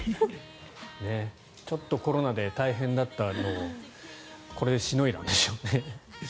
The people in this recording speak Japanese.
ちょっとコロナで大変だったのをこれでしのいだんでしょうね。